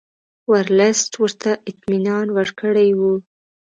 ورلسټ ورته اطمینان ورکړی وو.